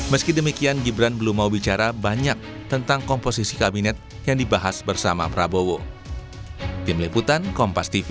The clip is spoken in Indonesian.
meski demikian gibran belum mau bicara banyak tentang komposisi kabinet yang dibahas bersama prabowo